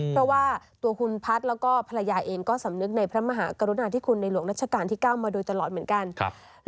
เพราะว่าตัวคุณพัฒน์แล้วก็ภรรยาเองก็สำนึกในพระมหากรุณาธิคุณในหลวงรัชกาลที่๙มาโดยตลอดเหมือนกัน